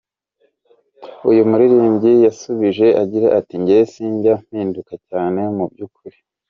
Uyu muririmbyi yasubije agira ati "Jye sinjya mpinduka cyane mu by’ukuri.